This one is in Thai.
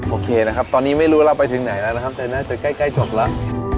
โอเคนะครับตอนนี้ไม่รู้เราไปถึงไหนแล้วนะครับแต่น่าจะใกล้จบแล้ว